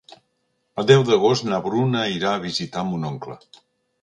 El deu d'agost na Bruna irà a visitar mon oncle.